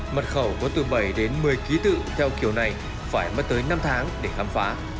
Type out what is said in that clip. mật khẩu có từ bảy đến một mươi ký tự theo kiểu này phải mất tới năm tháng để khám phá